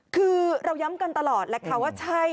คือเราย้ำกันตลอดแหละค่ะว่าใช่